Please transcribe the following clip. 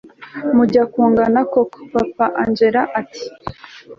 mujya kungana koko papa angella ati